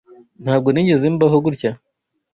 Ntabwo nigeze mbaho gutya.